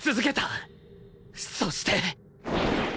そして！